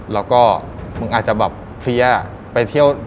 แล้วก็มึงอาจจะแบบเฟียไปเที่ยว